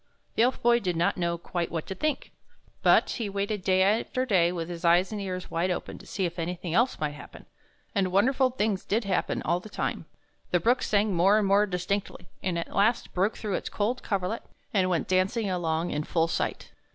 The Elf Boy did not know quite what to think, but he waited day after day with his eyes and ears wide open to see if anything else might happen; and won derful things did happen all the time. The brook sang more and more distinctly, and at last broke through its cold coverlet and went dancing along in full sight.